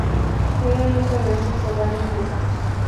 Jenny nunca regresó a su hogar desde esa fecha.